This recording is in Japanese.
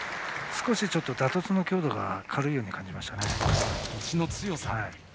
少し打突の強度が軽いように感じましたね。